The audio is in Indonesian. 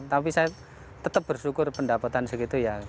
tapi saya tetap bersyukur pendapatan segitu ya